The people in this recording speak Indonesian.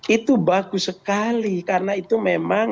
itu bagus sekali karena itu memang